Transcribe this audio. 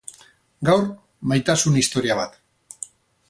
Gaur, maitasun historia bat.